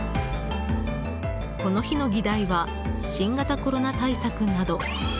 この日の議題は新型コロナ対策など。